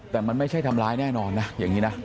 แต่มันไม่ใช่ทำร้ายแน่นอนนะอย่างนี้นะ